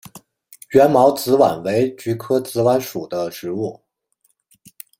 缘毛紫菀为菊科紫菀属的植物。